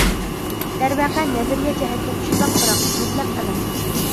دەرۋەقە نەزەرىيە جەھەتتىن شۇنداق بىراق مۇتلەق ئەمەس.